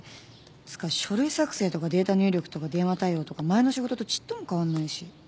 「つか書類作成とかデータ入力とか電話対応とか前の仕事とちっとも変わんないし」